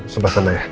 nelus aku sendirian